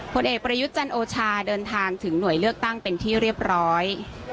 ผลเอกประยุทธ์จันโอชาเดินทางถึงหน่วยเลือกตั้งเป็นที่เรียบร้อย